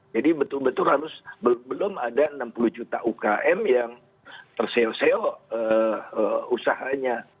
jadi betul betul harus belum ada enam puluh juta ukm yang terseo seo usahanya